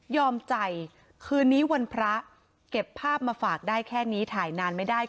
ใจคืนนี้วันพระเก็บภาพมาฝากได้แค่นี้ถ่ายนานไม่ได้